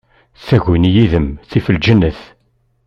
Taguni yid-m tif lǧennet.